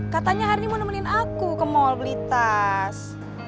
katanya harini mau nemenin aku ke mall beli tas